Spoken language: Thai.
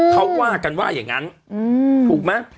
เขาว่ากันว่าอย่างนั้นถูกไหม